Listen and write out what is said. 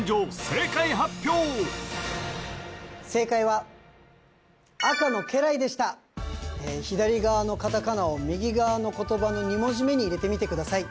正解発表正解は左側のカタカナを右側の言葉の２文字目に入れてみてください